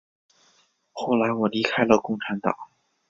后来我离开了共产党。